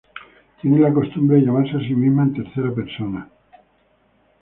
Tiene la costumbre de llamarse a sí misma en tercera persona.